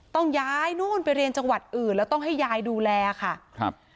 ต้องย้ายนู่นไปเรียนจังหวัดอื่นแล้วต้องให้ยายดูแลค่ะครับ